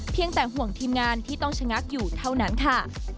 แต่ห่วงทีมงานที่ต้องชะงักอยู่เท่านั้นค่ะ